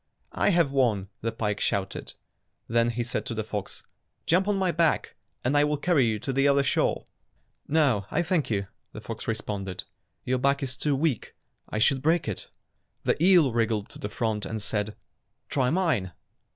"I have won," the pike shouted. Then he said to the fox, "Jump on my back and I will carry you to the other shore." "No, I thank you," the fox responded. "Your back is too weak. I should break it." The eel wriggled to the front and said, "Try mine."